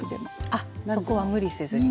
あっそこは無理せずに。